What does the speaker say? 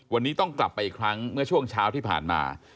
วันนี้ต้องกลับไปอีกครั้งเมื่อช่วงเช้าที่ผ่านมา